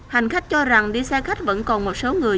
hành khách cho rằng đi xe khách vẫn còn một số người